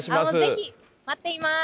ぜひ、待っています。